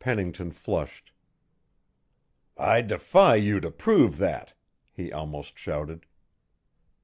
Pennington flushed. "I defy you to prove that," he almost shouted.